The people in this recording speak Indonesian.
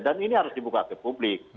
dan ini harus dibuka ke publik